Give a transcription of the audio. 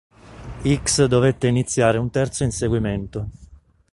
Ickx dovette iniziare un terzo inseguimento.